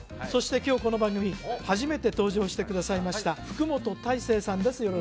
そして今日この番組初めて登場してくださいました福本大晴さんです